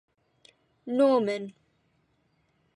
Norman.